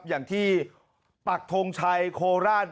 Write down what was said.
อย่างที่ปักทงชัยโคราช